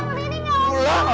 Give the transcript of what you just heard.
bapak rini tidak mau pulang